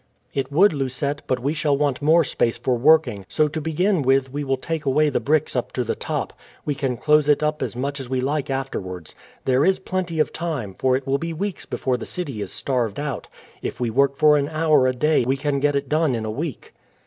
"It would, Lucette; but we shall want more space for working, so to begin with we will take away the bricks up to the top. We can close it up as much as we like afterwards. There is plenty of time, for it will be weeks before the city is starved out. If we work for an hour a day we can get it done in a week."